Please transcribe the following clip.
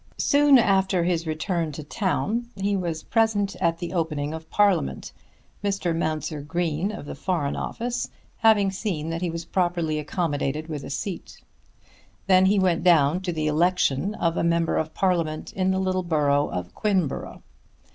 Soon after his return to town he was present at the opening of Parliament, Mr. Mounser Green of the Foreign Office having seen that he was properly accommodated with a seat. Then he went down to the election of a member of Parliament in the little borough of Quinborough.